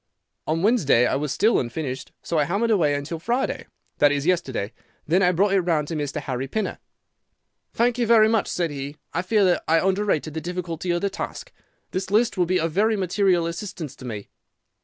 On Wednesday it was still unfinished, so I hammered away until Friday—that is, yesterday. Then I brought it round to Mr. Harry Pinner. "'Thank you very much,' said he; 'I fear that I underrated the difficulty of the task. This list will be of very material assistance to me.